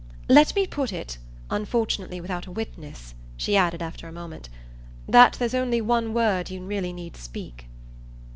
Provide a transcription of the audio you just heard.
"Let me put it unfortunately without a witness," she added after a moment, "that there's only one word you really need speak."